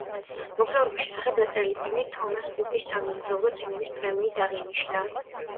მოგზაურობის შესახებ დაწერილი წიგნი თომას კუკის სამოგზაურო წიგნების პრემიით აღინიშნა.